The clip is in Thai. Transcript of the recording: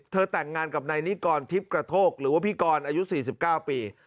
แต่งงานกับนายนิกรทิพย์กระโทกหรือว่าพี่กรอายุ๔๙ปี